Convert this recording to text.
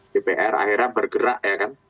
dpr akhirnya bergerak ya kan